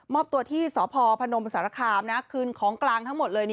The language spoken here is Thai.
อบตัวที่สพพนมสารคามคืนของกลางทั้งหมดเลย